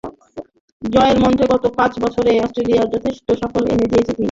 জয়ের মন্ত্রে গত পাঁচ বছরে অস্ট্রেলিয়াকে যথেষ্ট সাফল্যই এনে দিয়েছেন তিনি।